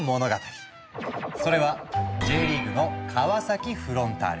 それはＪリーグの川崎フロンターレ。